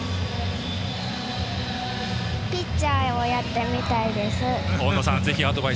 ピッチャーをやってみたいです。